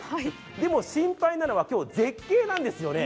でも心配なのは今日、絶景なんですよね。